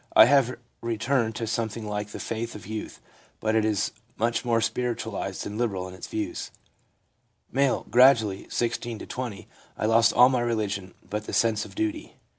I have returned to something like the faith of youth, but it is much more spiritualised and liberal in its views/ M. * Gradually (16 to 20) I lost all my religion but the sense of duty.